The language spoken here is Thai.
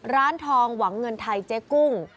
ร้านทองหวังเงินไทยเจ๊กุ้ง